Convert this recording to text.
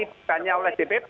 bukannya oleh dpp